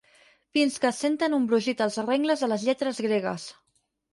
Fins que senten un brogit als rengles de les lletres gregues.